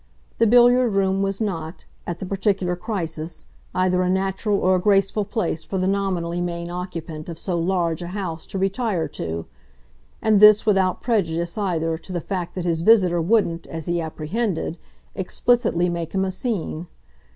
The billiard room was NOT, at the particular crisis, either a natural or a graceful place for the nominally main occupant of so large a house to retire to and this without prejudice, either, to the fact that his visitor wouldn't, as he apprehended, explicitly make him a scene.